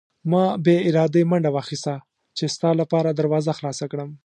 ما بې ارادې منډه واخیسته چې ستا لپاره دروازه خلاصه کړم.